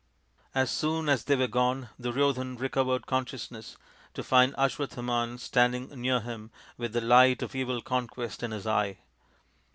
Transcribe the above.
As soon as they were gone Duryodhan recovered consciousness to find Aswa thaman standing near him with the light of evil conquest in his eye.